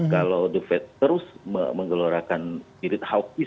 kalau the fed terus menggelorakan mirip haukis